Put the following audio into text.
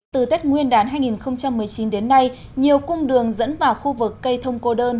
từ tết nguyên đán hai nghìn một mươi chín đến nay nhiều cung đường dẫn vào khu vực cây thông cô đơn